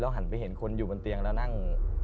หันไปเห็นคนอยู่บนเตียงแล้วนั่ง